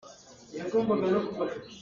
Hi cauk hi keimah ta a si.